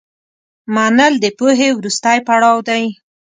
منل د پوهې وروستی پړاو دی.